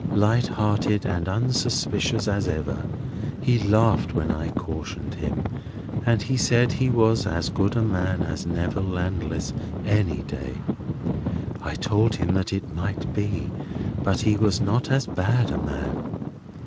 Light hearted and unsuspicious as ever. He laughed when I cautioned him, and said he was as good a man as Neville Landless any day. I told him that might be, but he was not as bad a man.